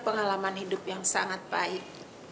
pengalaman hidup yang sangat baik